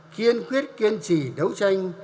kiên quyết kiên trì đấu tranh